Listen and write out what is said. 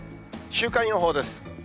週間予報です。